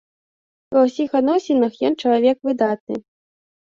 Ва ўсіх адносінах ён чалавек выдатны.